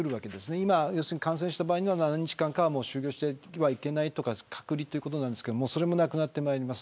今は感染した場合は７日間から就業してはいけないとか隔離ということですがそれもなくなってまいります。